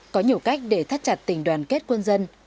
có nhiều cách để thắt chặt tình đoàn kết quân dân